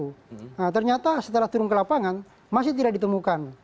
nah ternyata setelah turun ke lapangan masih tidak ditemukan